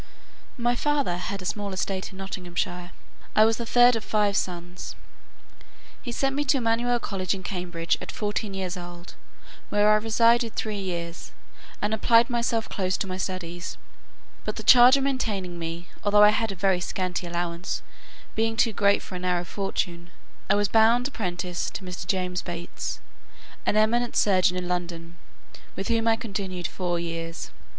My father had a small estate in Nottinghamshire; I was the third of five sons. He sent me to Emanuel College in Cambridge at fourteen years old, where I resided three years, and applied myself close to my studies; but the charge of maintaining me, although I had a very scanty allowance, being too great for a narrow fortune, I was bound apprentice to Mr. James Bates, an eminent surgeon in London, with whom I continued four years.